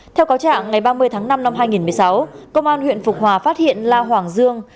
theo cáo trạng ngày ba mươi tháng năm năm hai nghìn một mươi sáu công an huyện phục hòa phát hiện la hoàng dương